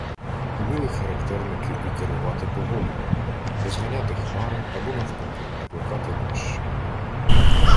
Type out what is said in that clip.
Уміли характерники і керувати погодою — розганяти хмари або, навпаки, накликати дощ.